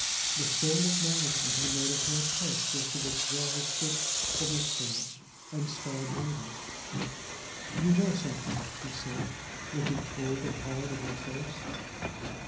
The sole acknowledgment he made of her approach was to withdraw his foot from the stirrup and stand waiting. "You know something," he said, looking cold and hard in her face.